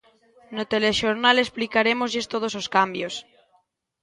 No telexornal explicarémoslles todos os cambios.